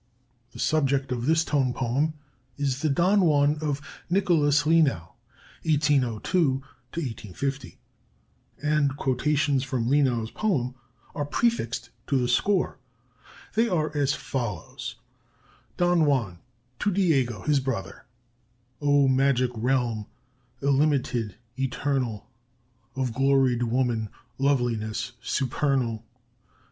The subject of this tone poem is the "Don Juan" of Nicolaus Lenau (1802 1850), and quotations from Lenau's poem are prefixed to the score. They are as follows: DON JUAN [to Diego, his brother] "O magic realm, illimited, eternal, Of gloried woman loveliness supernal!